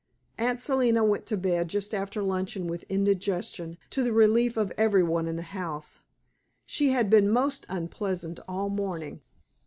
Aunt Selina went to bed just after luncheon with indigestion, to the relief of every one in the house. She had been most unpleasant all morning.